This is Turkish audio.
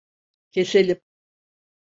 Keselim.